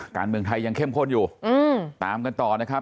การเมืองไทยยังเข้มข้นอยู่ตามกันต่อนะครับ